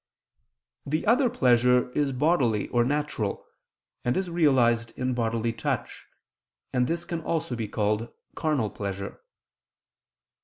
The other pleasure is bodily or natural, and is realized in bodily touch, and this can also be called carnal pleasure.